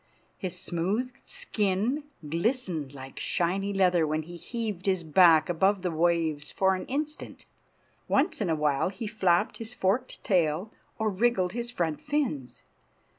His smooth skin glistened like shiny leather when he heaved his back above the waves for an instant. Once in a while he flapped his forked tail or wriggled his front fins.